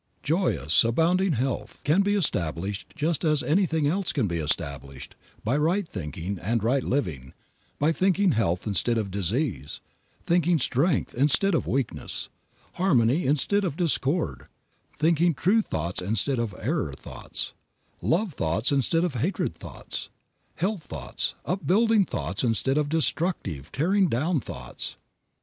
Joyous, abounding health can be established just as anything else can be established, by right thinking and right living, by thinking health instead of disease, thinking strength instead of weakness, harmony instead of discord, thinking true thoughts instead of error thoughts, love thoughts instead of hatred thoughts, health thoughts, upbuilding thoughts instead of destructive tearing down thoughts.